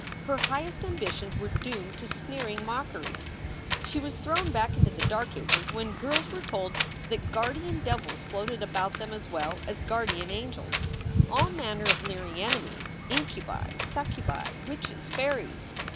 Her highest ambitions were doomed to sneering mockery. She was thrown back into the dark ages when girls were told that guardian devils floated about them as well as guardian angels all manner of leering enemies, incubi, succubi, witches, fairies.